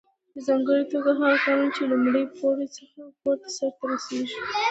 په ځانګړي توګه هغه کارونه چې له لومړي پوړ څخه پورته سرته رسیږي.